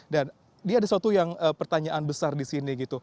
dan dia ada suatu pertanyaan besar di sini